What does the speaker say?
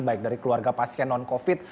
baik dari keluarga pasien non covid